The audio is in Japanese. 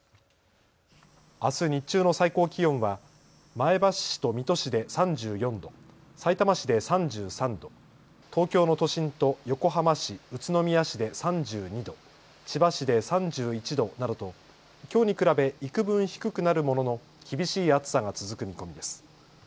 あす日中の最高気温は前橋市と水戸市で３４度、さいたま市で３３度、東京の都心と横浜市、宇都宮市で３２度、千葉市で３１度などときょうに比べいくぶん低くなるものの厳しい暑さが続く見込みです。